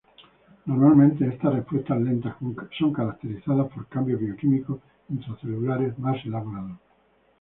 Normalmente estas respuestas lentas son caracterizadas por cambios bioquímicos intracelulares más elaborados.